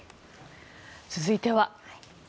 続いては。